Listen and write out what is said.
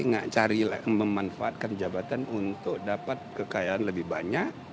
nggak cari memanfaatkan jabatan untuk dapat kekayaan lebih banyak